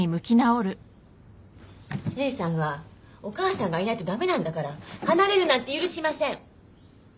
清さんはお母さんがいないと駄目なんだから離れるなんて許しません。